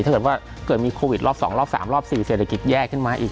ถ้าเกิดว่าเกิดมีโควิดรอบ๒รอบ๓รอบ๔เศรษฐกิจแย่ขึ้นมาอีก